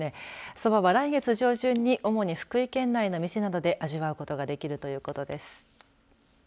そばは来月上旬に主に福井県内などの店で味わうことができるということです。